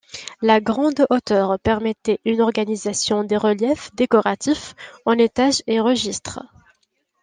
La grande hauteur permettait une organisation des reliefs décoratifs en étages et registres.